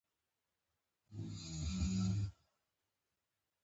• ثانیه د تحول نښه ده.